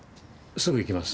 すぐ行きます。